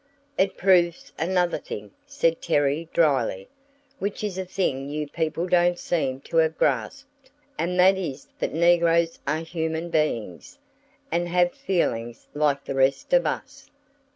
"It proves another thing," said Terry, dryly, "which is a thing you people don't seem to have grasped; and that is that negroes are human beings and have feelings like the rest of us.